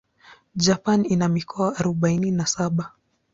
Japan ina mikoa arubaini na saba.